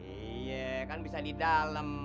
iya kan bisa di dalam